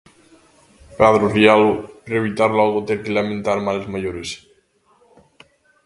Pedro Rielo, para evitar logo ter que lamentar males maiores.